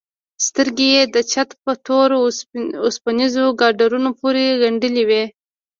سترگې يې د چت په تورو وسپنيزو ګاډرونو پورې گنډلې وې.